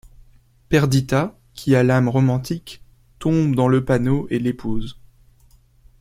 Perdita, qui a l’âme romantique, tombe dans le panneau et l’épouse.